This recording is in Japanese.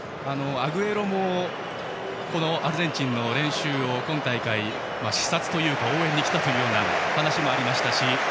アグエロもアルゼンチンの今大会の練習を視察というか応援に来たという話もありましたし。